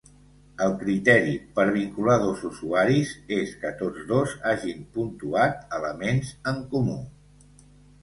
El criteri per vincular dos usuaris és que tots dos hagin puntuat elements en comú.